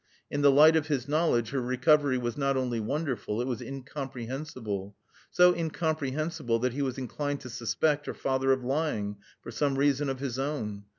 In the light of his knowledge her recovery was not only wonderful, it was incomprehensible. So incomprehensible that he was inclined to suspect her father of lying for some reason of his own.